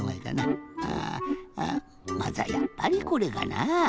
ああまずはやっぱりこれかなあ。